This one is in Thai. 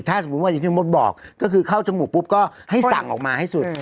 ถ้าสมมุติว่าอย่างที่มดบอกก็คือเข้าจมูกปุ๊บก็ให้สั่งออกมาให้สุด